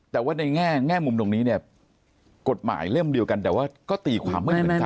แต่ว่าในแง่มุมตรงนี้เนี่ยกฎหมายเล่มเดียวกันแต่ว่าก็ตีความไม่เหมือนกัน